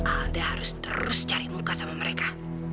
anda harus terus cari muka sama mereka